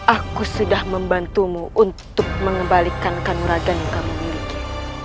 aku sudah membantumu untuk mengembalikan kanuragan yang kamu miliki